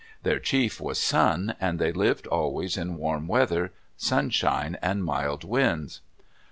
Their chief was Sun, and they lived always in warm weather, sunshine, and mild winds.